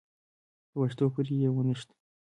په پښو پورې يې ونښت.